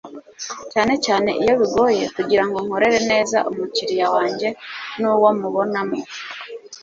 cyane cyane iyo bigoye, kugira ngo nkorere neza umukiriya wanjye n'uwo mubonano